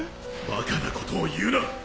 バカなことを言うな！